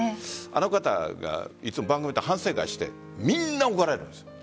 あの方がいつも番組で反省会をして皆、怒られるんです。